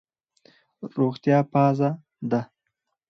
روغتیا پازه ده.